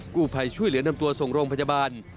กู้ภัยช่วยเหลือนำตัวส่งโรงพยาบาล